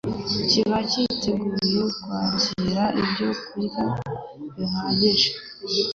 kiba cyiteguye kwakira ibyokurya bihagije